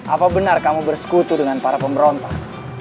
apa benar kamu bersekutu dengan para pemerintah